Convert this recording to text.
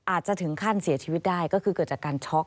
อาจจะถึงขั้นเสียชีวิตได้ก็คือเกิดจากการช็อก